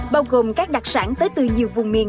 bao gồm các đặc sản tới từ nhiều vùng miền